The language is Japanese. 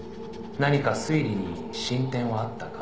「何か推理に進展はあったか？」